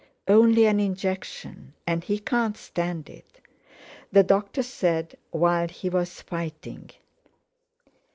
"Only an injection; and he can't stand it. The doctor said, while he was fighting...."